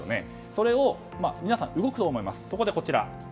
それを皆さん動くと思います。